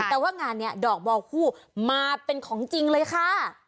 แต่ว่างานนี้ดอกบอลคู่มาเป็นของจริงเลยค่ะ